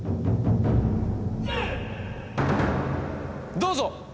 どうぞ！